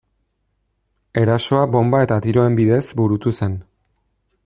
Erasoa bonba eta tiroen bidez burutu zen.